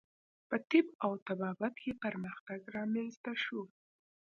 په طب او طبابت کې پرمختګ رامنځته شو.